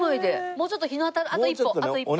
もうちょっと日の当たるあと一歩あと一歩。